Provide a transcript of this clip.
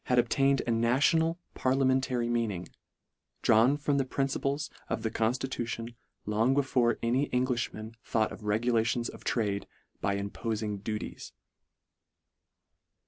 obtained a national, parliamentary meaning, drawn from the principles of the constitu tion, long before any Englishmen thought of regulations of trade " by impofing duties."